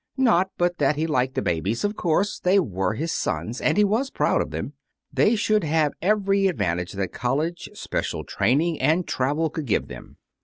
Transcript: Not but that he liked the babies, of course. They were his sons, and he was proud of them. They should have every advantage that college, special training, and travel could give them.